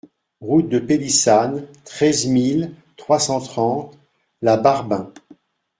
Route de Pélissanne, treize mille trois cent trente La Barben